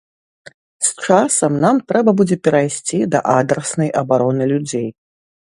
З часам нам трэба будзе перайсці да адраснай абароны людзей.